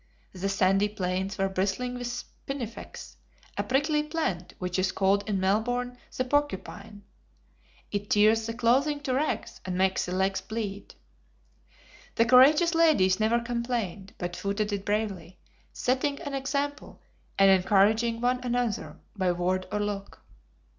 The sandy plains were bristling with SPINIFEX, a prickly plant, which is called in Melbourne the porcupine. It tears the clothing to rags, and makes the legs bleed. The courageous ladies never complained, but footed it bravely, setting an example, and encouraging one and another by word or look.